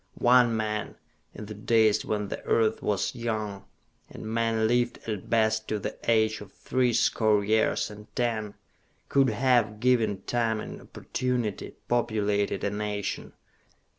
One man, in the days when the earth was young, and man lived at best to the age of three score years and ten, could have, given time and opportunity, populated a nation.